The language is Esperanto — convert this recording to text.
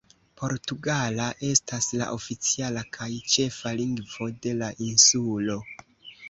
Portugala estas la oficiala kaj ĉefa lingvo de la insulo.